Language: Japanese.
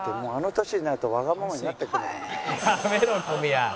やめろ小宮。